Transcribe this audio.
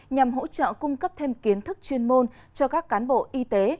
nhằm hỗ trợ cung cấp thêm kiến thức chuyên môn cho các cán bộ y tế